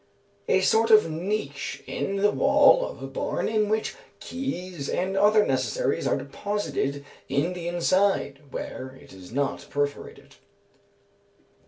A sort of niche in the wall of a barn, in which keys and other necessaries are deposited in the inside, where it is not perforated.